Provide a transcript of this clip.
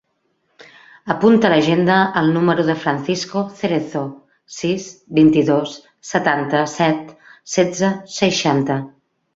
Apunta a l'agenda el número del Francisco Cerezo: sis, vint-i-dos, setanta-set, setze, seixanta.